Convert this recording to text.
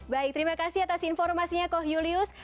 baik terima kasih atas informasinya koh julius